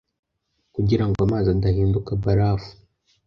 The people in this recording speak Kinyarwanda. Kugira ngo amazi adahinduka barafu